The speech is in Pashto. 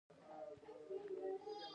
د پښتنو په کلتور کې د اور ارزښت ډیر دی.